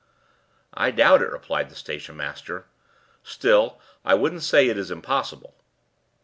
"I doubt it," replied the station master. "Still, I wouldn't say it is impossible."